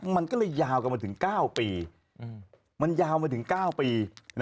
มันก็เลยยาวกันมาถึง๙ปี